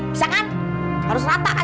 semua yang udah lantai